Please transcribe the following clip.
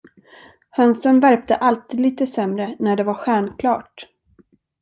Hönsen värpte alltid lite sämre när det var stjärnklart.